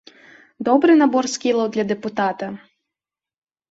Добры набор скілаў для дэпутата!